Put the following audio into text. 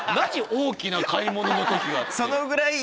「大きな買い物の時は」って。